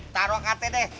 taruh angkatnya deh